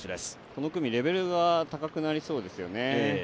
この組、レベルが高くなりそうですよね。